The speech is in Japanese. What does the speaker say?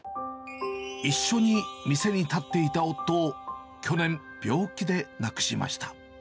一緒に店に立っていた夫を、去年病気で亡くしました。